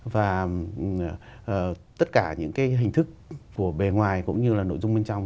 và tất cả những cái hình thức của bề ngoài cũng như là nội dung bên trong